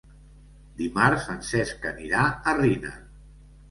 Dimarts en Cesc anirà a Riner.